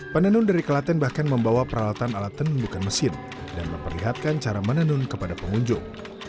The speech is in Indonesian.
penenun dari kelaten bahkan membawa peralatan alat tenun bukan mesin dan memperlihatkan cara menenun kepada pengunjung